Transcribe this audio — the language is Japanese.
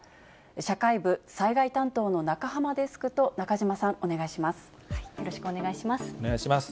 社会部、災害担当の中濱デスクと中島さん、お願いします。